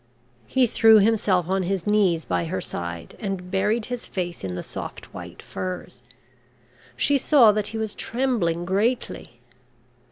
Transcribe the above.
He threw himself on his knees by her side and buried his face in the soft white furs. She saw that he was trembling greatly.